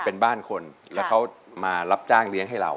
เป็นบ้านคนแล้วเขามารับจ้างเลี้ยงให้เรา